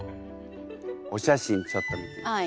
お写真ちょっと見てみましょう。